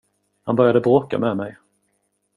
Han började bråka med mig.